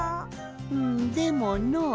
うんでものう。